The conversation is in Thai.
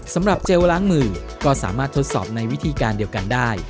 เจลล้างมือก็สามารถทดสอบในวิธีการเดียวกันได้